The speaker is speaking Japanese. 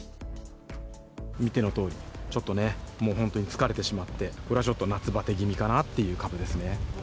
見てのとおり、ちょっとね、もう本当に疲れてしまって、これはちょっと夏バテ気味かなっていう株ですね。